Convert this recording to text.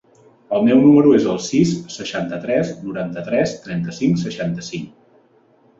El meu número es el sis, seixanta-tres, noranta-tres, trenta-cinc, seixanta-cinc.